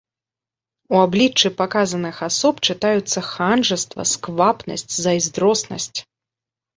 У абліччы паказаных асоб чытаюцца ханжаства, сквапнасць, зайздроснасць.